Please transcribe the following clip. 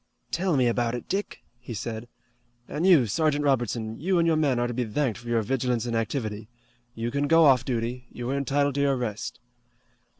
"Tell me about it, Dick," he said. "And you, Sergeant Robertson, you and your men are to be thanked for your vigilance and activity. You can go off duty. You are entitled to your rest."